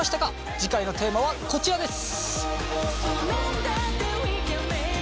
次回のテーマはこちらです。